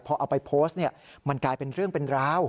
พอเอาไปโพสต์เนี่ยมันกลายเป็นเรื่องเป็นราว